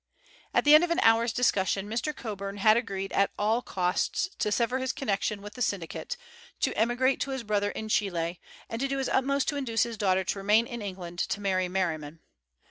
At the end of an hour's discussion, Mr. Coburn had agreed at all costs to sever his connection with the syndicate, to emigrate to his brother in Chile, and to do his utmost to induce his daughter to remain in England to marry Merriman.